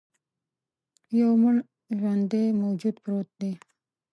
یو مړ ژواندی موجود پروت دی.